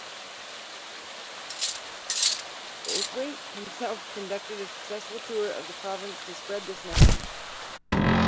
Braithwaite himself conducted a successful tour of the province to spread this message.